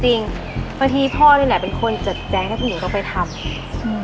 จริงเมื่อกี้พ่อเนี่ยแหละเป็นคนจัดแจ้งให้ผู้หญิงต้องไปทำอืม